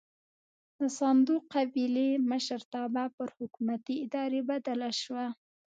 د ساندو قبیلې مشرتابه پر حکومتي ادارې بدله شوه.